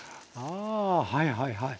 あはいはいはい。